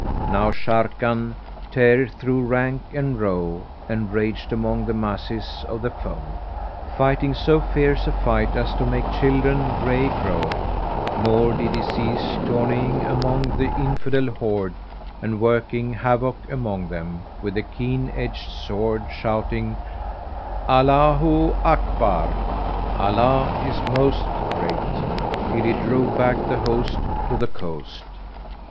Now Sharrkan tare through rank and row and raged among the masses of the foe, fighting so fierce a fight as to make children grey grow; nor did he cease tourneying among the infidel horde and working havoc among them with the keen edged sword, shouting "Allaho Akbar!" (Allah is Most Great) till he drove back the host to the coast.